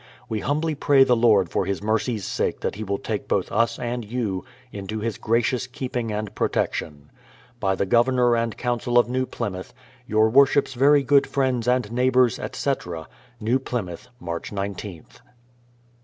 We humbly pray the Lord for His mercy's sake that He will take both us and you into His gracious keeping and protection. By the Governor and Council of New Plymouth, Your Worships' very good friends and neighbours, etc. New Plymouth, March igth.